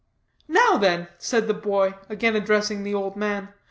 "Now then," said the boy, again addressing the old man.